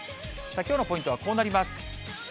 きょうのポイントはこうなります。